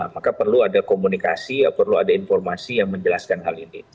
maka perlu ada komunikasi perlu ada informasi yang menjelaskan hal ini